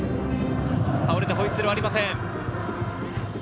倒れてホイッスルはありません。